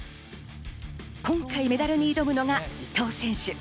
今回メダルに挑むのが伊藤選手。